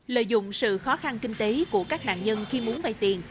lợi dụng sự khó khăn kinh tế của các nạn nhân khi muốn vay tiền